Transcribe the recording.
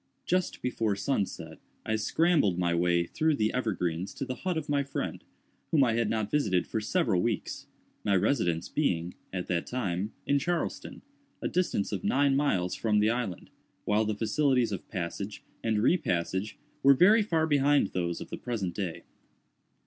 Just before sunset I scrambled my way through the evergreens to the hut of my friend, whom I had not visited for several weeks—my residence being, at that time, in Charleston, a distance of nine miles from the island, while the facilities of passage and re passage were very far behind those of the present day.